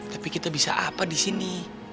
tapi kita bisa apa disini